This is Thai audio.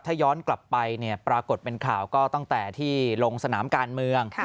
ถ้าย้อนกลับไปเนี่ยปรากฏเป็นข่าวก็ตั้งแต่ที่ลงสนามการเมือง